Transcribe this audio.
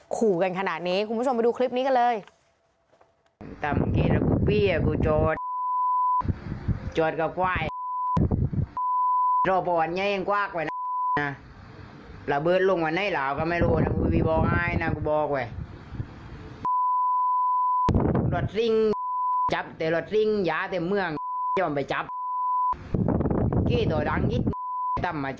ขู่กันขนาดนี้คุณผู้ชมไปดูคลิปนี้กันเลย